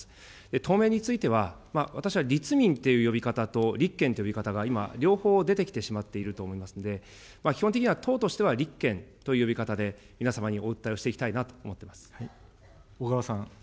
党名については、私は立民という呼び方と、立憲という呼び方と、今、両方出てきてしまっていると思いますので、基本的には、党としては立憲という呼び方で皆様にお訴えをしていきたいなと思小川さん。